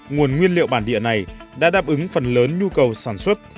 nguồn nguyên liệu bản địa này đã đáp ứng phần lớn nhu cầu sản xuất